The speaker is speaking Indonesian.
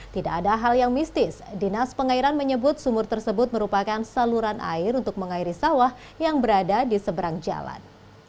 tidak ada hal yang mistis dinas pengairan menyebut sumur tersebut merupakan saluran air untuk mengairi sawah yang berada di seberang jalan